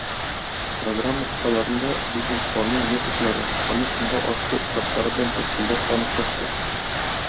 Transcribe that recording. Программа кысаларында бизнес-планның методлары, аны чынга ашыру этаплары белән тәфсилләп танышырсыз.